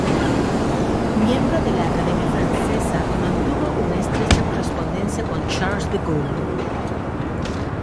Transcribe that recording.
Miembro de la "Academia Francesa", mantuvo una estrecha correspondencia con Charles de Gaulle.